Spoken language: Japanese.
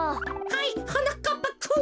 はいはなかっぱくん。